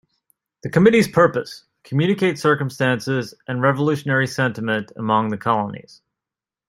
The committee's purpose: communicate circumstances and revolutionary sentiment among the colonies.